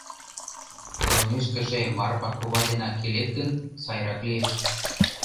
Толмешкыже Марпа кува денак илет гын, сайрак лиеш.